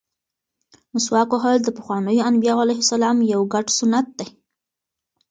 مسواک وهل د پخوانیو انبیاوو علیهم السلام یو ګډ سنت دی.